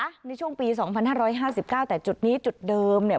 ตอนนี้ช่วงปีสองพันห้าร้อยห้าสิบเก้าแต่จุดนี้จุดเดิมเนี่ย